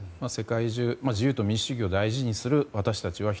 世界中、自由と民主主義を大事にする私たち